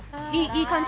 いい感じ？